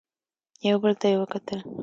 يو بل ته يې وکتل.